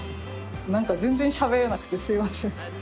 何か全然しゃべれなくてすいません。